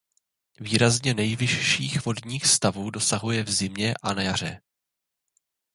Výrazně nejvyšších vodních stavů dosahuje v zimě a na jaře.